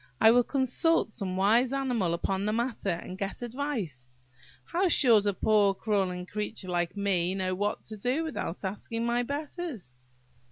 I will consult some wise animal upon the matter, and get advice. How should a poor crawling creature like me know what to do without asking my betters?"